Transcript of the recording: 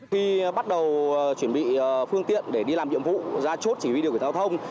khi bắt đầu chuẩn bị phương tiện để đi làm nhiệm vụ ra chốt chỉ huy điều kiện giao thông